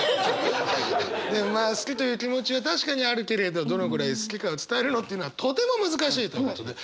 でもまあ好きという気持ちは確かにあるけれどどのくらい好きかを伝えるのっていうのはとても難しいということで。